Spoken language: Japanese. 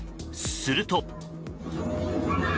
すると。